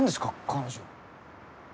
彼女。